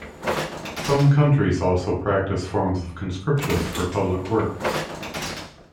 Some countries also practice forms of conscription for public works.